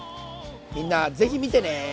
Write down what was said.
みんな是非見てね。